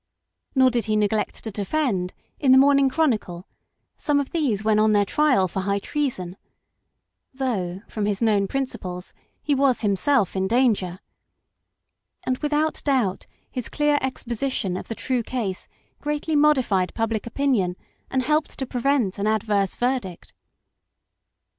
Nor did he neglect to defend, in the Morning Chronicle, some of these when on their trial for high treason ; though, from his known principles, he was himself in danger; and without doubt his clear exposition of the true case greatly modified public opinion and helped to prevent an adverse verdict.